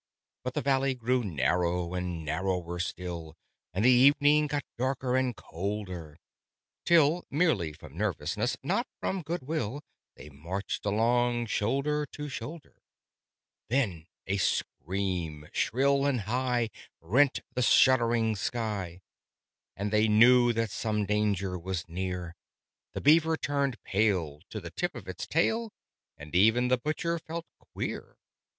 But the valley grew narrow and narrower still, And the evening got darker and colder, Till (merely from nervousness, not from goodwill) They marched along shoulder to shoulder. Then a scream, shrill and high, rent the shuddering sky, And they knew that some danger was near: The Beaver turned pale to the tip of its tail, And even the Butcher felt queer.